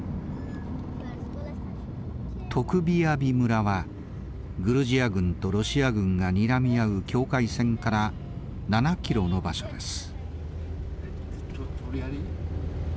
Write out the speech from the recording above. トクビアビ村はグルジア軍とロシア軍がにらみ合う境界線から７ｋｍの場所です。